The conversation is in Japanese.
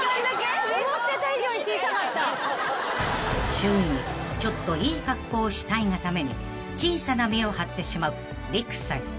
［周囲にちょっといい格好をしたいがために小さな見栄を張ってしまう利久さん］